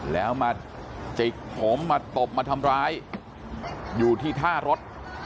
แล้วมาจิกผมมาตบมาทำร้ายอยู่ที่ท่ารถ